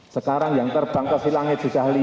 sekarang yang terbang ke silangit sudah lima